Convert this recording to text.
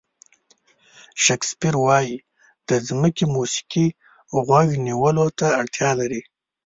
شکسپیر وایي د ځمکې موسیقي غوږ نیولو ته اړتیا لري.